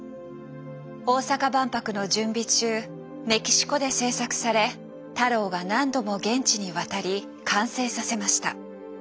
大阪万博の準備中メキシコで制作され太郎が何度も現地に渡り完成させました。